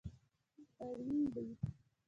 اړین دي